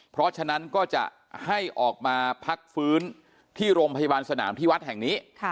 เพราะฉะนั้นก็จะให้ออกมาพักฟื้นที่โรงพยาบาลสนามที่วัดแห่งนี้